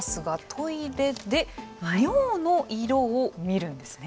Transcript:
トイレで尿の色を見るんですね。